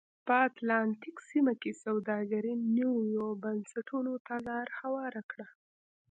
په اتلانتیک سیمه کې سوداګرۍ نویو بنسټونو ته لار هواره کړه.